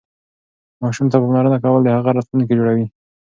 ماشوم ته پاملرنه کول د هغه راتلونکی جوړوي.